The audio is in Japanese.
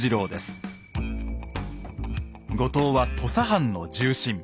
後藤は土佐藩の重臣。